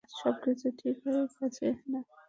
সবকিছু ঠিক হয়ে গেছে না।